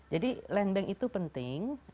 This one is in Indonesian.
land bank itu penting